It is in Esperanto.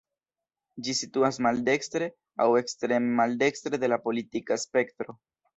Ĝi situas maldekstre, aŭ ekstreme maldekstre de la politika spektro.